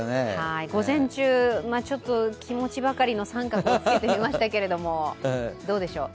午前中、ちょっと気持ちばかりの△をつけてみましたけどどうでしょう。